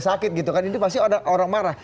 sakit gitu kan ini pasti ada orang marah